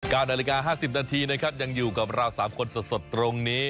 ๙นาฬิกา๕๐นาทีน์ครับยังอยู่กับเราสามคนสดตรงนี้